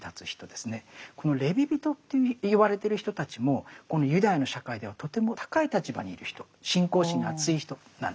このレビ人と言われてる人たちもこのユダヤの社会ではとても高い立場にいる人信仰心のあつい人なんです。